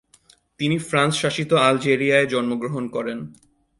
তিনি ফ্রান্স শাসিত আলজেরিয়ায় জন্মগ্রহণ করেন।